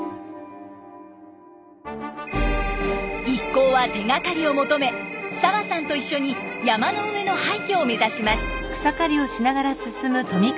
一行は手がかりを求め澤さんと一緒に山の上の廃虚を目指します。